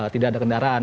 tidak ada kendaraan